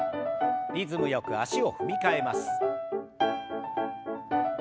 リズムよく足を踏み替えます。